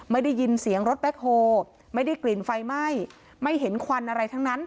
ไม่ได้ยินเสียงรถแบ็คโฮไม่ได้กลิ่นไฟไหม้ไม่เห็นควันอะไรทั้งนั้น